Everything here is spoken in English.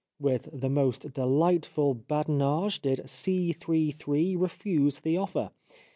With the most dehghtful badinage did C. 3.3. refuse the offer.